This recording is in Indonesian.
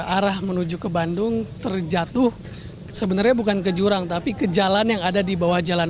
arah menuju ke bandung terjatuh sebenarnya bukan ke jurang tapi ke jalan yang ada di bawah jalan